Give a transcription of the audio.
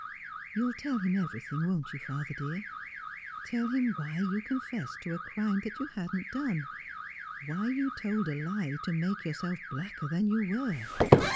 ' You'll tell him everything, won't you, father dear 1 Tell him why you confessed to a crime that you hadn't done — why you told a lie to make yourself blacker than you were.